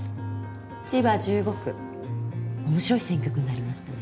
千葉１５区面白い選挙区になりましたね。